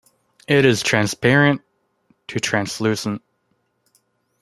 It is transparent to translucent.